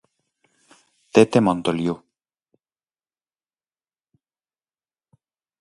Tete Montoliu.